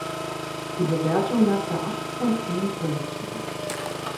Die Bewertung lag bei acht von zehn Punkten.